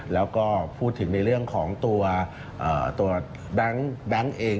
แล้วก็พูดถึงในเรื่องของตัวแบงค์เอง